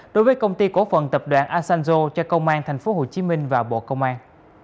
đối với công ty cổ phần tập đoàn asanjo cho công an tp hcm và bộ công an